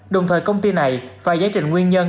đồng thời công ty này phải giải trình nguyên nhân